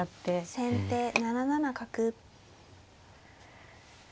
先手７七角。